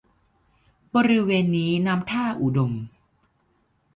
บริเวณนี้น้ำท่าอุดม